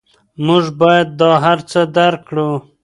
موږ باید دا هر څه درک کړو.